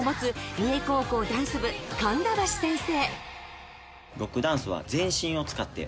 三重高校ダンス部神田橋先生。